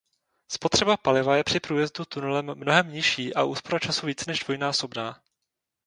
Spotřeba paliva je při průjezdu tunelem mnohem nižší a úspora času více než dvojnásobná.